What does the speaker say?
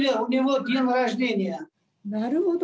なるほど。